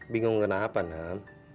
bingung kenapa nam